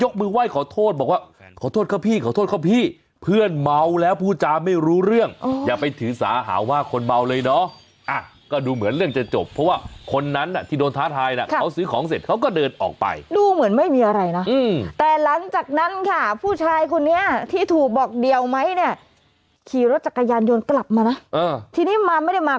ขี่รถจักรยานยนต์ไปเลยค่ะ